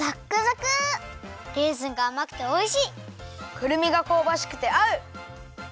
くるみがこうばしくてあう！